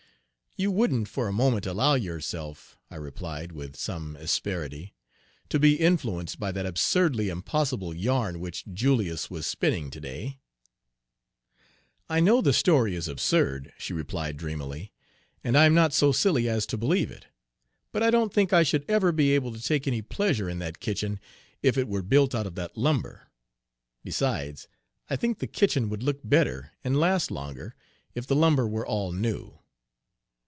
"You wouldn't for a moment allow yourself," I replied, with some asperity, "to be influenced by that absurdly impossible yarn which Julius was spinning to day?" "I know the story is absurd," she replied dreamily, "and I am not so silly as to believe it. But I don't think I should ever be able to take any pleasure in that kitchen if it were built out of that lumber. Besides, I think the Page 62 kitchen would look better and last longer if the lumber were all new."